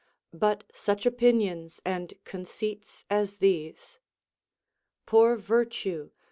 But such opinions and conceits as these, — Poor virtue